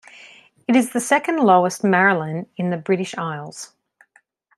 It is the second lowest Marilyn in the British Isles.